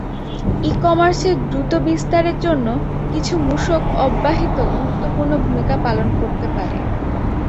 ই-কমার্সের দ্রুত বিস্তারের জন্য কিছু মূসক অব্যাহতি গুরুত্বপূর্ণ ভূমিকা পালন করতে পারে।